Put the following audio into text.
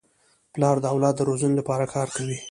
پلار د اولاد د روزني لپاره کار کوي.